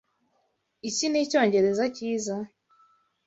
Iki nicyongereza cyiza?